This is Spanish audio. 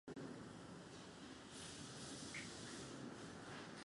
Marcelo Tinelli protagoniza varias "cámaras cómplices" a chicos.